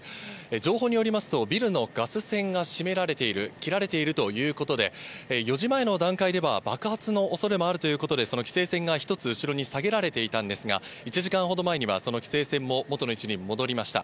情報によりますと、ビルのガス栓がしめられている、切られているということで、４時前の段階では、爆発のおそれもあるということで、その規制線が１つ後ろに下げられていたんですが、１時間ほど前にはその規制線も、元の位置に戻りました。